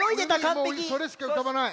もうそれしかうかばない。